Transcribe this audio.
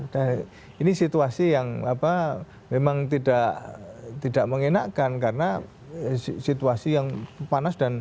nah ini situasi yang memang tidak mengenakan karena situasi yang panas dan